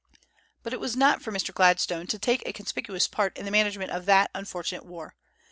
But it was not for Mr. Gladstone to take a conspicuous part in the management of that unfortunate war.